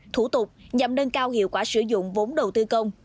thủ tục nhằm nâng cao hiệu quả sử dụng vốn đầu tư công